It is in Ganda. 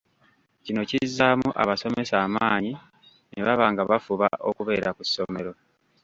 Kino kizzaamu abasomesa amaanyi ne baba nga bafuba okubeera ku ssomero.